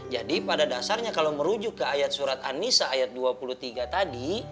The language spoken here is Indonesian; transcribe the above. jadi pada dasarnya kalau merujuk ke ayat surat an nisa ayat dua puluh tiga tadi